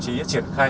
tiến hành như sau